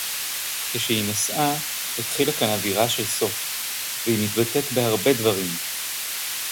כְּשֶהִיא נָסְעָה הִתְחִילָה כָּאן אֲוִוירָה שֶל סוֹף. וְהִיא מִתְבַּטֵאת בְּהַרְבֵּה דְבָרִים.